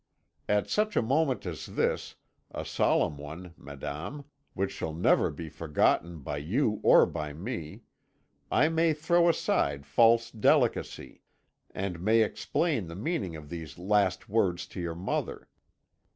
At such a moment as this, a solemn one, madame, which shall never be forgotten by you or by me, I may throw aside false delicacy, and may explain the meaning of these last words to your mother.